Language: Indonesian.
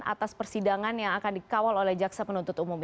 atas persidangan yang akan dikawal oleh jaksa penuntut umum